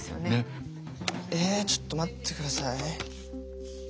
えちょっと待ってください。